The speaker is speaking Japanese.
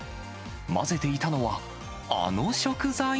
混ぜていたのは、あの食材？